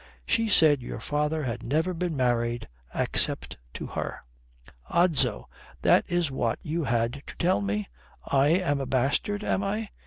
"She said your father had never been married except to her." "Odso! That is what you had to tell me. I am a bastard, am I?"